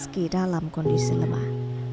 tidak ada belas